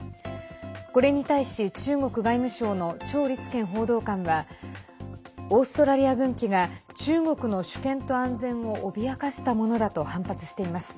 これに対し、中国外務省の趙立堅報道官はオーストラリア軍機が中国の主権と安全を脅かしたものだと反発しています。